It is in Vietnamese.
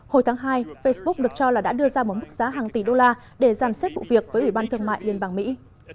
hồi tháng hai facebook được cho là đã đưa ra một mức giá hàng tỷ đô la để giàn xếp vụ việc với ủy ban thương mại liên bang mỹ